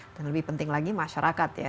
dan lebih penting lagi masyarakat ya